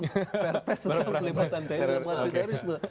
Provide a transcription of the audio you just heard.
perpes tentang perlembatan terorisme